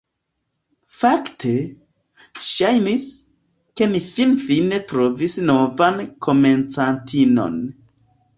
Fakte, ŝajnis, ke ni finfine trovis novan komencantinon.